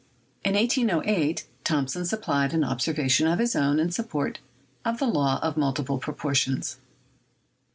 In 1808, Thomson supplied an observation of his own in support of the law of multiple proportions.